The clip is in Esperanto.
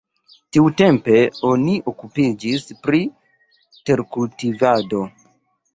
Tiutempe oni okupiĝis pri terkultivado.